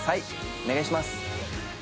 お願いします